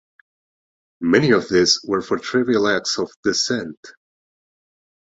Many of these were for trivial acts of dissent.